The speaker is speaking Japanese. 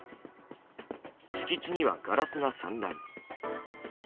敷地にはガラスが散乱。